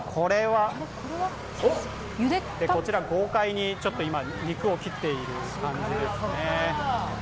こちら豪快に今、肉を切っている感じですね。